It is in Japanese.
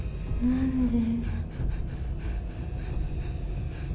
何で？